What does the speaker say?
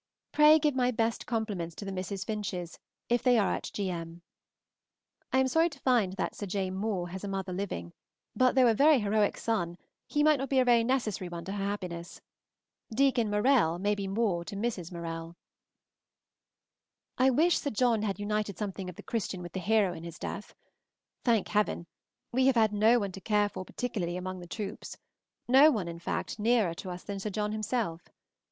Pray give my best compliments to the Mrs. Finches, if they are at Gm. I am sorry to find that Sir J. Moore has a mother living, but though a very heroic son he might not be a very necessary one to her happiness. Deacon Morrell may be more to Mrs. Morrell. I wish Sir John had united something of the Christian with the hero in his death. Thank heaven! we have had no one to care for particularly among the troops, no one, in fact, nearer to us than Sir John himself.